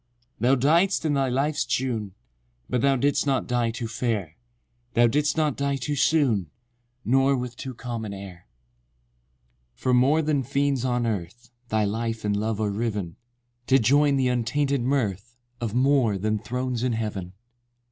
IX. Thou died'st in thy life's June— But thou did'st not die too fair: Thou did'st not die too soon, Nor with too calm an air. X. From more than friends on earth, Thy life and love are riven, To join the untainted mirth Of more than thrones in heaven— XII.